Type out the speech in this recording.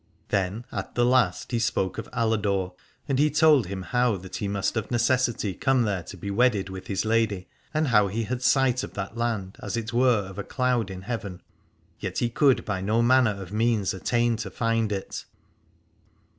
Then at the last he spoke of Aladore, and he told him how that he must of necessity come there to be wedded with his lady, and how he had sight of that land as it were of a cloud in heaven, yet he could by no manner of means attain to find it.